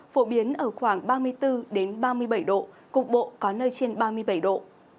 phổ biến ở khoảng ba mươi bốn ba mươi bảy độ cục bộ có nơi trên ba mươi bảy độ